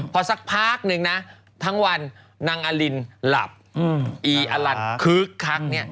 พอสักพักนึงนะทั้งวันนางอลินหลับอีอลันคึกคักเนี่ย